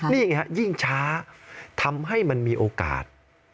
นี่ไงฮะยิ่งช้าทำให้มันมีโอกาส